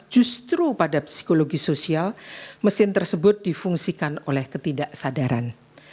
justru pada psikologi sosial mesin tersebut difungsikan oleh ketidaksadaran